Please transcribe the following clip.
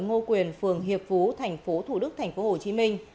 ngô quyền phường hiệp phú thành phố thủ đức thành phố hồ chí minh